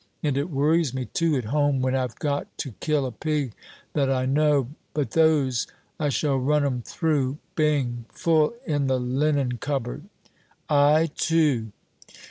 And it worries me, too, at home, when I've got to kill a pig that I know but those, I shall run 'em through Bing! full in the linen cupboard." "I, too."